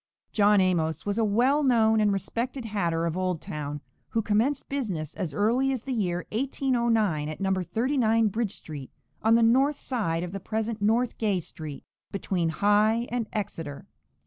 John Amos was a well known and respected hatter of Old Town, who commenced business as early as the year 1809 at No. 39 Bridge street, on the north side of the present North Gay street, between High and Exeter.